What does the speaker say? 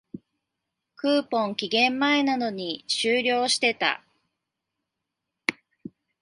クーポン、期限前なのに終了してた